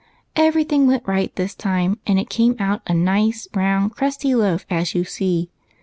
Every thing went right this time, and it came out a nice, round, crusty loaf, as you see.